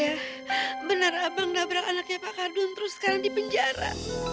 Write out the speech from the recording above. rob benar ya benar abang dabrak anaknya pak khardun terus sekarang di penjara